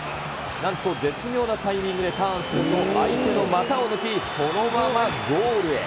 なんと絶妙なタイミングでターンすると、相手の股を抜き、そのままゴールへ。